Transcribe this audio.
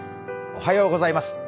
おはようございます。